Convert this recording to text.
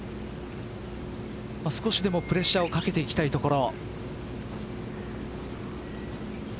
少しでもプレッシャーをかけていきたいところ。